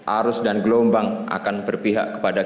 arus dan gelombang akan berpihak kepada